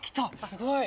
すごい。